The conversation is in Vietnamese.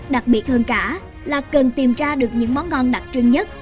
đặc biệt hơn cả là cần tìm ra được những món ngon đặc trưng nhất